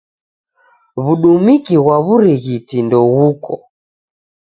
W'udumiki ghwa w'urighiti ndeghuko.